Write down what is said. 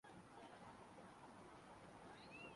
آج تو کچھ بھی کھانے کو دل نہیں